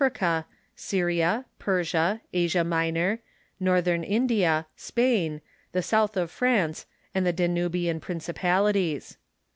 ^^ riea, Syria, Persia, Asia Minor, Northern India, Spain, the south of France, and the Danubian principalities.